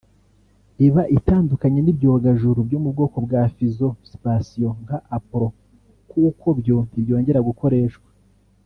Iba itandukanye n'ibyogajuru byo mu bwoko bwa fuseax spatiaux nka Apollo kuko byo ntibyongera gukoreshwa